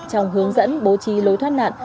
trong hướng dẫn bố trí lối thoát nạn